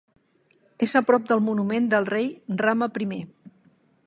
És a prop del "Monument del rei Rama Primer".